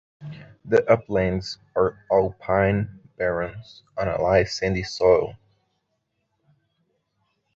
The Uplands are all pine barrens on a light Sandy Soil.